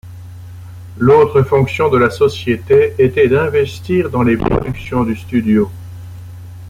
L'autre fonction de la société était d'investir dans les productions du studio.